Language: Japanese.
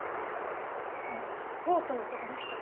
ここのコートの男の人